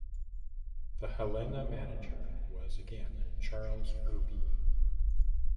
The Helena manager was again Charles Irby.